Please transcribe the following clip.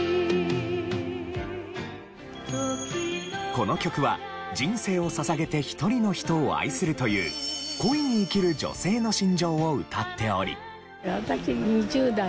この曲は人生を捧げて一人の人を愛するという恋に生きる女性の心情を歌っており。